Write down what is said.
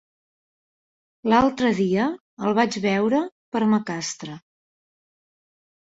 L'altre dia el vaig veure per Macastre.